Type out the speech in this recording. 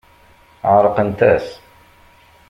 Ɛeṛqent-as.